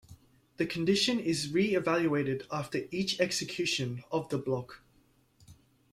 The condition is re-evaluated after each execution of the block.